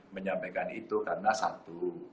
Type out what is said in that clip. menyampaikan itu karena satu